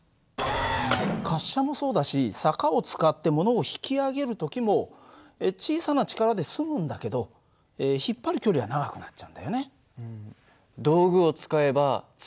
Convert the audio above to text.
滑車もそうだし坂を使ってものを引き上げる時も小さな力で済むんだけど引っ張る距離は長くなっちゃうんだよね。